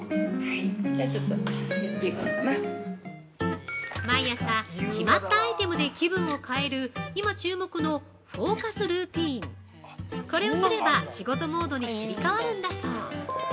じゃあ、ちょっとゆっくり◆毎朝、決まったアイテムで気分を変える今、注目のフォーカスルーティーン。これをすれば仕事モードに切り替わるんだそう。